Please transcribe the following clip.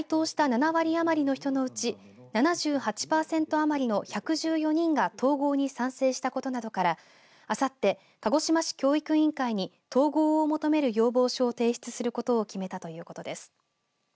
その結果、回答した７割余りの人のうち７８パーセント余りで１１４人が統合に賛成したことなどからあさって、鹿児島市教育委員会に統合を求める要望書を提出することを決めたということです。